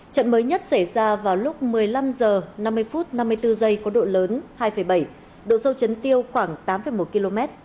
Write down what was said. trận mới nhất xảy ra vào lúc một mươi năm h năm mươi phút năm mươi bốn giây có độ lớn hai bảy độ sâu chấn tiêu khoảng tám một km